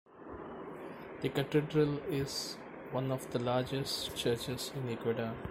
The Cathedral is one of the largest churches in Ecuador.